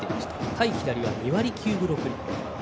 対左は２割９分６厘。